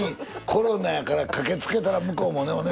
コロナやから駆けつけたら向こうもね。